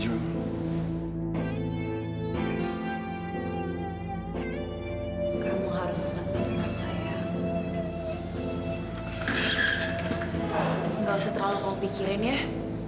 semuanya akan baik baik aja kok